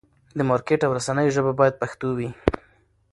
د مارکېټ او رسنیو ژبه باید پښتو وي.